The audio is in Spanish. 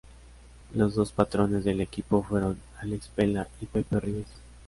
Los dos patrones del equipo fueron Alex Pella y Pepe Ribes.